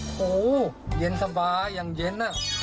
โอ้โหเย็นสบายอย่างเย็นน่ะ